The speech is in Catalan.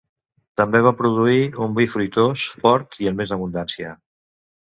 També va produir un vi fruitós, fort i en més abundància.